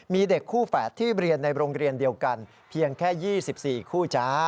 มีเด็กคู่แฝดที่เรียนในโรงเรียนเดียวกันเพียงแค่๒๔คู่จ้า